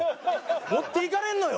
持っていかれんのよ。